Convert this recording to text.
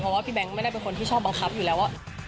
เพราะว่าพี่แบงค์ไม่ได้เป็นคนที่ชอบบังคับอยู่แล้ว